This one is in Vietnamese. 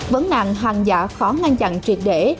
vấn nạn hàng giả khó ngăn chặn triệt để